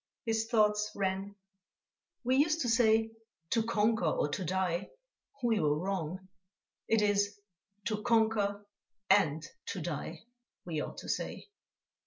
His thoughts ran: "We used to say: To conquer or to die. We were wrong; it is to conquer and to die we ought to say."